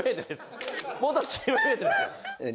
元チームメートです。